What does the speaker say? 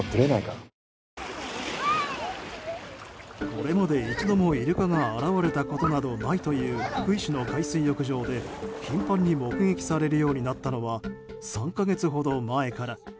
これまで一度もイルカが現れたことなどないという福井市の海水浴場で頻繁に目撃されるようになったのは３か月ほど前から。